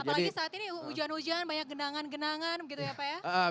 apalagi saat ini hujan hujan banyak genangan genangan gitu ya pak ya